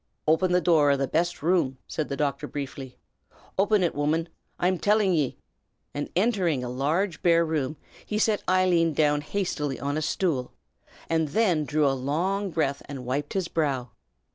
"Open the door o' the best room!" said the doctor, briefly. "Open it, woman, I'm tillin' ye!" and entering a large bare room, he set Eileen down hastily on a stool, and then drew a long breath and wiped his brow.